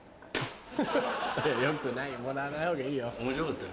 よくないよもらわないほうがいいよ。面白かったよ。